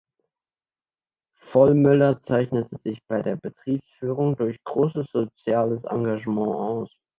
Vollmöller zeichnete sich bei der Betriebsführung durch großes soziales Engagement aus.